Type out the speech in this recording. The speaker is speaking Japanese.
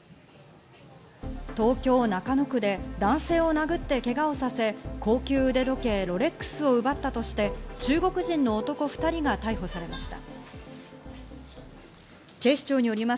東京・中野区で男性を殴ってけがをさせ、高級腕時計ロレックスを奪ったとして、中国人の男２人が逮捕されました。